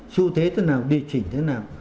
xu thế thế nào địa chỉnh thế nào